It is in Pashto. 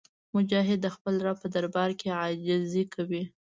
مجاهد د خپل رب په دربار کې عاجزي کوي.